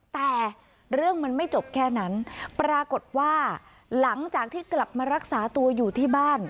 แต่เรื่องมันไม่จบแค่นั้นปรากฏว่าหลังจากที่กลับมารักษาตัวอยู่ที่บ้าน